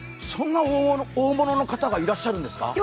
そんな大物の方がいらっしゃるんですか？